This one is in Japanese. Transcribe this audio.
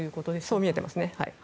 そう見えていますね。